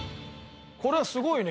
これすごいね。